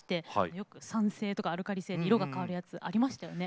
よく酸性とかアルカリ性で色が変わるやつありましたよね。